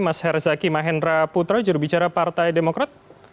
mas herzaki mahendra putra jurubicara partai demokrat